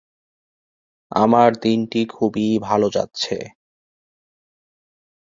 নাটোর অধিবাসীদের মধ্যে শহরের অধিক সংখ্যক ব্যবসায়ী পাবনা নিবাসী।